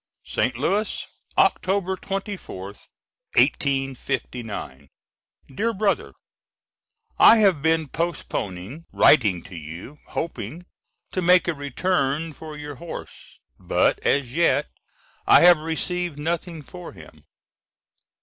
] St. Louis, Oct. 24th, 1859. DEAR BROTHER: I have been postponing writing to you hoping to make a return for your horse, but as yet I have received nothing for him.